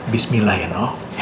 bismillah ya no